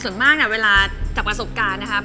ส่วนมากเวลาจากประสบการณ์นะครับ